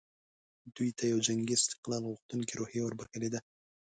دوی ته یوه جنګي استقلال غوښتونکې روحیه وربخښلې ده.